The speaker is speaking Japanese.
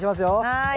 はい。